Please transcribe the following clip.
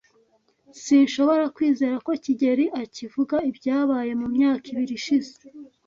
Sinshobora kwizera ko kigeli akivuga ibyabaye mu myaka ibiri ishize.